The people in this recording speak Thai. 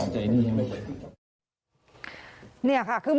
เกี่ยวไหม